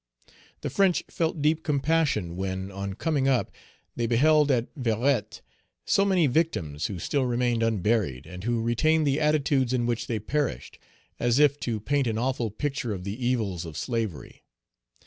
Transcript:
The French felt deep compassion when, on coming up, they beheld at Verettes so many victims who still remained unburied, Page 192 and who retained the attitudes in which they perished, as if to paint an awful picture of the evils of slavery.